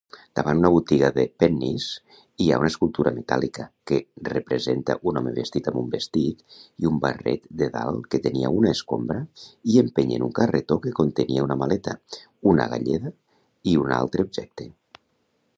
Davant una botiga de Penney's, hi ha una escultura metàl·lica que representa un home vestit amb un vestit i un barret de dalt que tenia una escombra i empenyent un carretó que contenia una maleta, una galleda i un altre objecte.